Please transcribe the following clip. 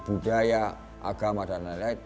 budaya agama dan lain lain